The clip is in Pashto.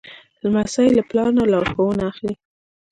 لمسی له پلار نه لارښوونه اخلي.